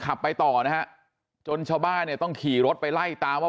ขับไปต่อนะจนชาวบ้านต้องขี่รถไปไล่ตามว่า